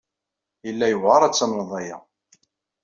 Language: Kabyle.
Yella yewɛeṛ ad tamneḍ aya.